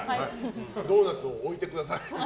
ドーナツを置いてください。